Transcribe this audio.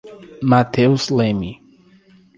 Mateus Leme